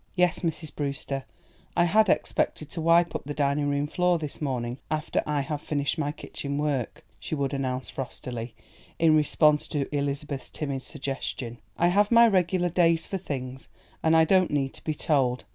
"Yes, Mrs. Brewster, I had expected to wipe up the dining room floor this morning, after I have finished my kitchen work," she would announce frostily, in response to Elizabeth's timid suggestion. "I have my regular days for things, an' I don't need to be told.